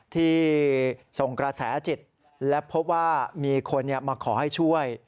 ที่ส่งกระแสจิตและพบว่ามีคนมาขอให้ช่วย